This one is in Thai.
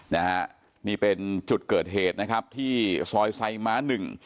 นะฮะนี่เป็นจุดเกิดเหตุนะครับที่ซอยไซม้าหนึ่ง